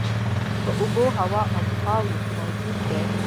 په اوبو، هوا او خاورو کې موجود دي.